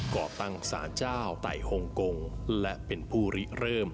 ก่อตั้งสารเจ้าไต่ฮงกงและเป็นผู้ริเริ่ม